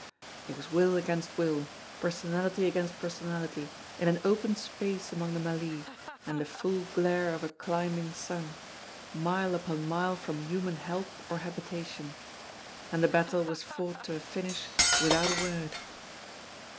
It was will against will, personality against personality, in an open space among the mallee and the full glare of a climbing sun, mile upon mile from human help or habitation. And the battle was fought to a finish without a word.